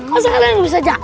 masa ada yang bisa jawab